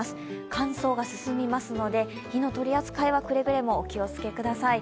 乾燥が進みますので、火の取り扱いにはくれぐれもお気をつけください。